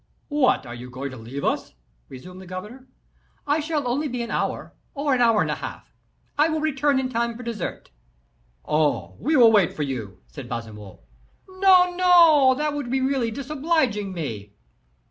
"What, are you going to leave us?" resumed the governor. "I shall only be about an hour, or an hour and a half. I will return in time for dessert." "Oh! we will wait for you," said Baisemeaux. "No, no; that would be really disobliging me."